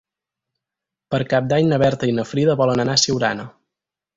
Per Cap d'Any na Berta i na Frida volen anar a Siurana.